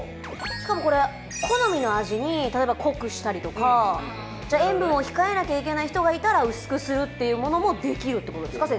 しかもこれ好みの味に例えば濃くしたりとか塩分を控えなきゃいけない人がいたら薄くするっていうものもできるってことですか？